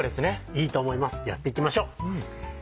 いいと思いますやっていきましょう！